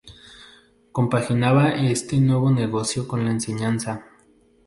Compaginaba este nuevo negocio con la enseñanza.